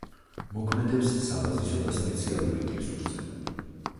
მოქმედებს საბაზისო და სპეციალურ ინგლისურზე.